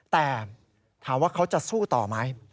แต่ถามว่าเขาจะสู้ต่อไหม